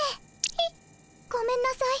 えっ？ごめんなさい。